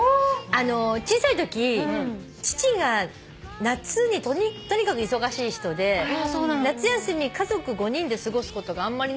小さいとき父が夏にとにかく忙しい人で夏休み家族５人で過ごすことがあんまりなかったんですよ。